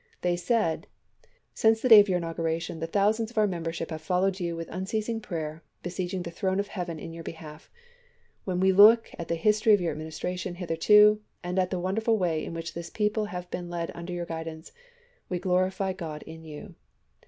They said :" Since the day of your inauguration, the thousands of our membership have followed you with unceasing prayer, besieging the throne of Heaven in your behalf. .. When we look at the LINCOLN AND THE CHUECHES 323 history of your Administration hitherto, and at the wonderful way in which this people have been led under your guidance, we glorify Grod in you."